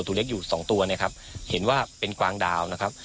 ตัวเล็กอยู่สองตัวเนี่ยครับเห็นว่าเป็นกวางดาวนะครับ